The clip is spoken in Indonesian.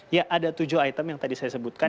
ya ada tujuh item yang tadi saya sebutkan